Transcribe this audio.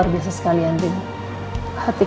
aku sama mas al juga masih mikirin